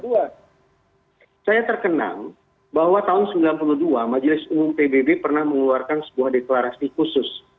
kedua saya terkenang bahwa tahun sembilan puluh dua majelis umum pbb pernah mengeluarkan sebuah deklarasi khusus